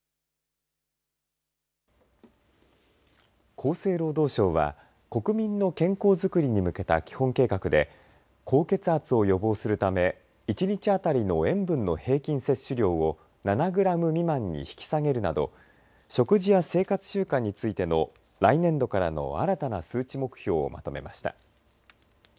厚生労働省は国民の健康作りに向けた基本計画で高血圧を予防するため１日あたりの塩分の平均摂取量を７グラム未満に引き下げるなど食事や生活習慣についての来年度からの新たな数値目標をまとめました。